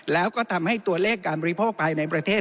แล้วก็ทำให้ตัวเลขการบริโภคภายในประเทศ